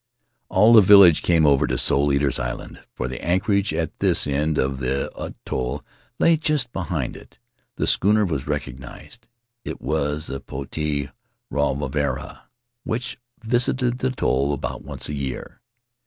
All the village came over to Soul Eaters' Island, for the anchorage at this end of the atoll lay just behind it. The schooner was recognized. It was the Potii Ravarava which visited the atoll about once a year.